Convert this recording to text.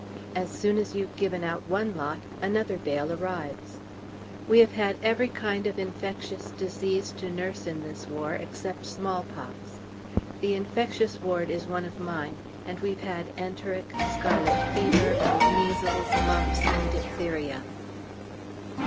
As soon as you've given out one lot, another bale arrives. We have had every kind of infectious disease to nurse in this war, except smallpox. The Infectious Ward is one of mine, and we've had enteric, scarlet fever, measles, mumps, and diphtheria.